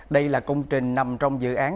đây là công trình nằm trong dự án